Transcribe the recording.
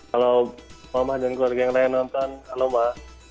kalau mamah dan keluarga yang nonton halo ma